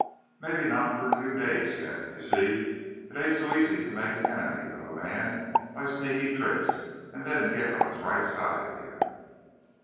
Maybe not for a few days yet. Ye see, it ain't so easy to make an enemy of a man by sneaky tricks, and then get on his right side again."